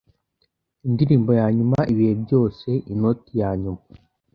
Indirimbo yanyuma ibihe byose, inoti yanyuma